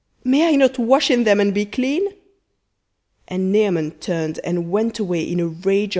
may I not wash in them, and be clean? So he turned and went away in a rage.